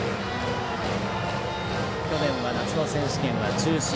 去年は夏の選手権は中止。